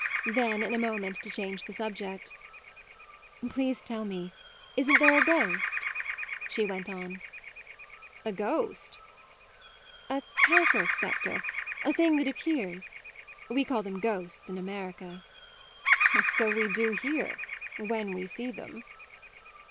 Then in a moment, to change the subject, "Please tell me isn't there a ghost?" she went on. "A ghost?" "A castle spectre, a thing that appears. We call them ghosts in America." "So we do here, when we see them."